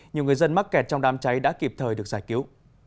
nhiều người dân mắc kẹt trong đám cháy đã kịp thời được giải cứu